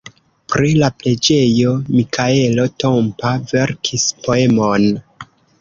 Pri la preĝejo Mikaelo Tompa verkis poemon.